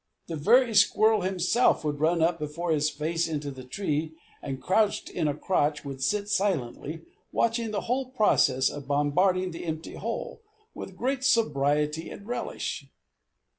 The very squirrel himself would run up before his face into the tree, and, crouched in a crotch, would sit silently watching the whole process of bombarding the empty hole, with great sobriety and relish.